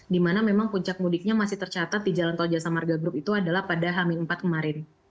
dimana memang puncak mudiknya masih tercatat di jalan tol jasa marga grup itu adalah pada hami empat kemarin